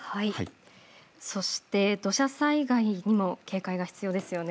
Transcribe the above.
そして土砂災害にも警戒が必要ですよね。